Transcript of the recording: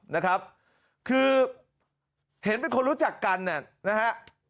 นะครับคือเห็นเป็นคนรู้จักกันเนี่ยนะฮะ